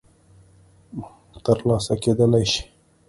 م ترلاسه کېدلای شي